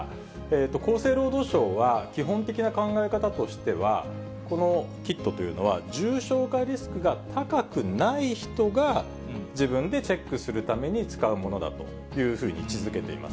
厚生労働省は、基本的な考え方としては、このキットというのは、重症化リスクが高くない人が自分でチェックするために使うものだというふうに位置づけています。